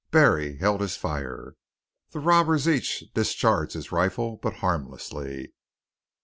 Barry held his fire. The robbers each discharged his rifle, but harmlessly.